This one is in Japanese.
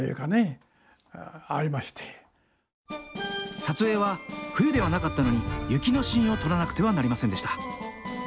撮影は冬ではなかったのに雪のシーンを撮らなくてはなりませんでした。